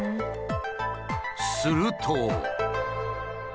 すると。